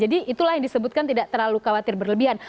jadi itulah yang disebutkan tidak terlalu khawatir berlebihan